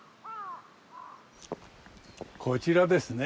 こちらですね。